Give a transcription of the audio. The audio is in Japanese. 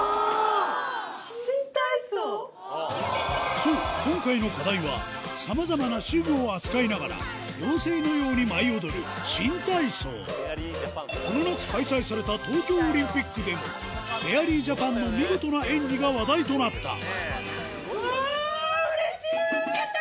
そう今回の課題はさまざまな手具を扱いながら妖精のように舞い踊るこの夏開催された東京オリンピックでもフェアリージャパンの見事な演技が話題となったうわぁ！